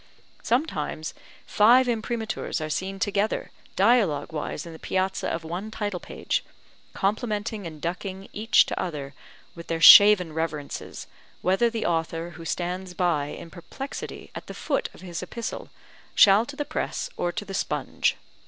Sometimes five Imprimaturs are seen together dialogue wise in the piazza of one title page, complimenting and ducking each to other with their shaven reverences, whether the author, who stands by in perplexity at the foot of his epistle, shall to the press or to the sponge.